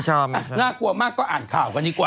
น่ากลัวมากก็อ่านข่าวกันดีกว่า